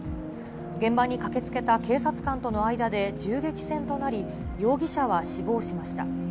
現場に駆けつけた警察官との間で銃撃戦となり、容疑者は死亡しました。